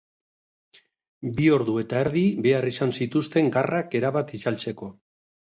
Bi ordu eta erdi behar izan zituzten garrak erabat itzaltzeko.